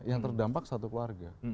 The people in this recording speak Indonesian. yang terdampak satu keluarga